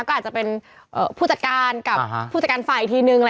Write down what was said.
ก็อาจจะเป็นผู้จัดการกับผู้จัดการฝ่ายอีกทีนึง